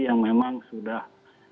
yang memang sudah